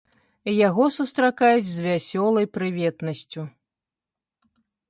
Яго сустракаюць з вясёлай прыветнасцю.